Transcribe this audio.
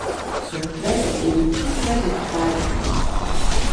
Son club est le Dukla de Prague.